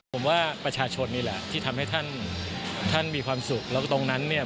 ผมว่าประชาชนนี่แหละที่ทำให้ท่านท่านมีความสุขแล้วก็ตรงนั้นเนี่ย